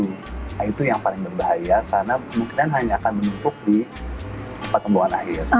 nah itu yang paling berbahaya karena kemungkinan hanya akan menumpuk di pertumbuhan air